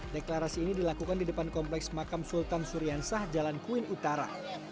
deklarasi ini dilakukan di depan kompleks makam sultan suriansah jalan kuin utara